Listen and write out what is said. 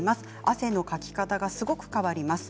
汗のかき方はすごく変わります。